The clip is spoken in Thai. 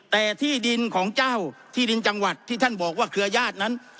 แต่ที่ดินของเจ้าที่ดินจังหวัดที่ท่านบอกว่าเครือญาตินั้น